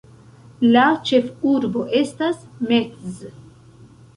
La ĉefurbo estas Metz.